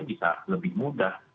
bisa lebih mudah